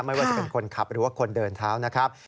ไม่ว่าจะเป็นคนขับหรือว่าคนเดินเท้านะครับ